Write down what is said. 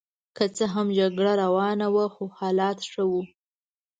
که څه هم جګړه روانه وه خو حالات ښه وو.